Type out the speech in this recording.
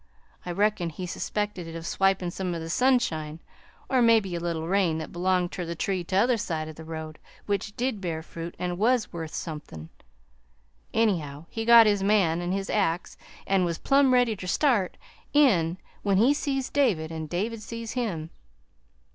I reckon he suspected it of swipin' some of the sunshine, or maybe a little rain that belonged ter the tree t'other side of the road what did bear fruit an' was worth somethin'! Anyhow, he got his man an' his axe, an' was plum ready ter start in when he sees David an' David sees him.